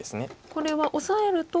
これはオサえると。